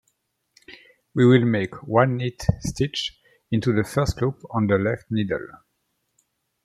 We will make one knit stitch into the first loop on the left needle.